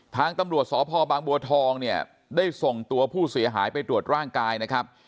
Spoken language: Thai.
ทางตำรวจสพบางบัวทองเนี่ยได้ส่งตัวผู้เสียหายไปตรวจร่างกายนะครับ